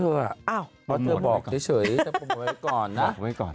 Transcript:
เพราะเธอบอกเฉยนะครับบอกไว้ก่อนนะครับบอกไว้ก่อน